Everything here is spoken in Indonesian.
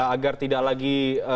agar tidak lagi